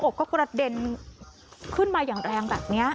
อกก็กระเด็นขึ้นมาอย่างแรงแบบนี้